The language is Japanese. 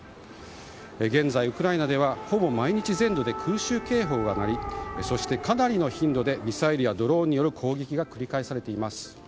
現在ウクライナではほぼ毎日、全土で空襲警報が鳴りそしてかなりの頻度でミサイルやドローンによる攻撃が繰り返されています。